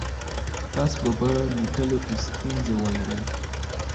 تاسو به په لیکلو کي ستونزې ولرئ.